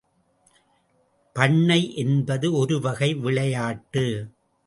பண்ணை என்பது ஒருவகை விளையாட்டு.